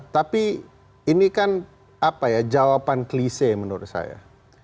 tapi ini kan jawaban klise menurut saya